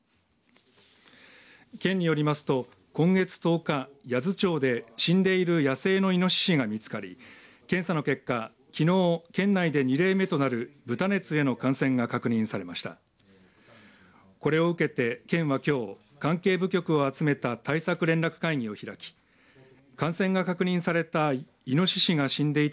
県によりますと今月１０日八頭町で死んでいる野生のいのししが見つかり検査の結果きのう、県内で２例目となる豚熱への感染が確認されました。